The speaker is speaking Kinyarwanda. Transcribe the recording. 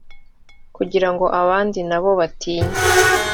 kugira ngo abandi na bo batinye